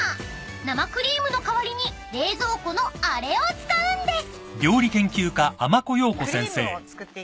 ［生クリームの代わりに冷蔵庫のあれを使うんです］